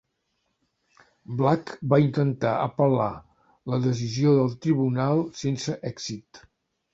Black va intentar apel·lar la decisió del tribunal sense èxit.